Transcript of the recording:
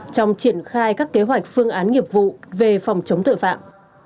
trong triển khai các kế hoạch phương án nghiệp vụ về phòng chống tội phạm